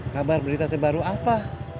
kabar berita terbaru apa